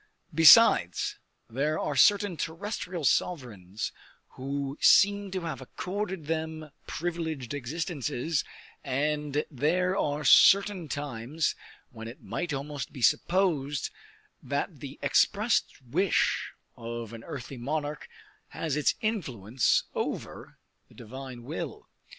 Besides, there are certain terrestrial sovereigns who seem to have accorded them privileged existences, and there are certain times when it might almost be supposed that the expressed wish of an earthly monarch has its influence over the Divine will.